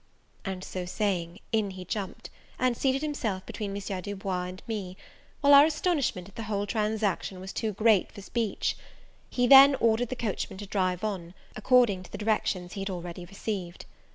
And so saying, in he jumped, and seated himself between M. Du Bois and me, while our astonishment at the whole transaction was too great for speech. He then ordered the coachman to drive on, according to the directions he had already received.